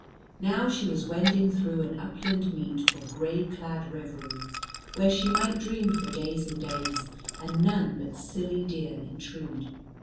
Now she was wending through an upland meet for gray clad reverie, where she might dream for days and days, and none but silly deer intrude.